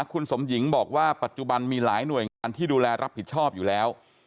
คุณสมหญิงบอกว่าปัจจุบันมีหลายหน่วยงานที่ดูแลรับผิดชอบอยู่แล้ว